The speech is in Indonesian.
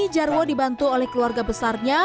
jarwo dibantu oleh keluarga besarnya